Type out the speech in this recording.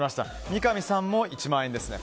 三上さんも１万円ですね。